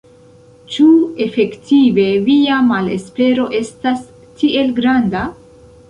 Ĉu efektive via malespero estas tiel granda?